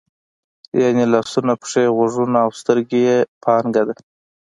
یعنې لاسونه، پښې، غوږونه او سترګې یې پانګه ده.